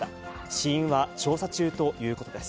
死因は調査中ということです。